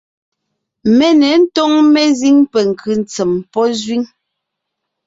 Mé ně ńtóŋ mezíŋ penkʉ́ ntsèm pɔ́ zẅíŋ.